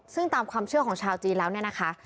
ซึ่งตามความเชื่อของชาวจีนแล้วเนี่ยนะคะ